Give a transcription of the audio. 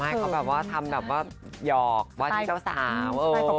ไม่เขาทำแบบว่าหยอกว่าที่เจ้าสาว